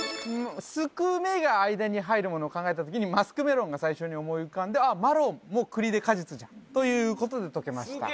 「スクメ」が間に入るものを考えた時にマスクメロンが最初に思い浮かんであっマロンも栗で果実じゃんということで解けました・